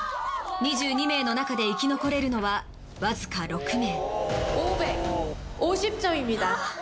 ２２名の中で生き残れるのはわずか６名。